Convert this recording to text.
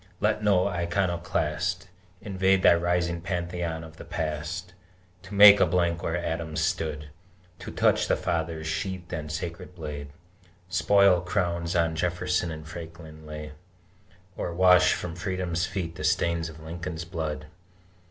Let no iconoclast Invade thy rising Pantheon of the Past, To make a blank where Adams stood, To touch the Father's sheathed and sacred blade, Spoil crowns on Jefferson and Franklin laid, Or wash from Freedom's feet the stain of Lincoln's blood!